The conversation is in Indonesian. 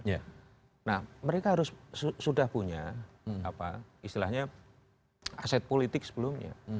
nah mereka harus sudah punya apa istilahnya aset politik sebelumnya